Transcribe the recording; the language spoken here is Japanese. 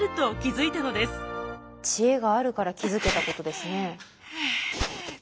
知恵があるから気付けたことですね。